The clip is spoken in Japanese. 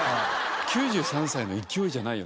９３歳の勢いじゃないよね。